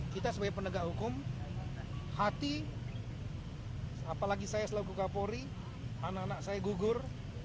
kita sebagai penegak hukum hati apalagi saya selalu gugur gaguri anak anak saya gugur